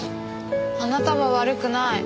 あなたは悪くない。